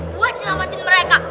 buat nyelamatin mereka